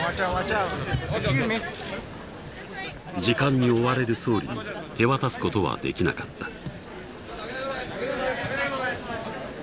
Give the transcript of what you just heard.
時間に追われる総理に手渡すことはできなかった。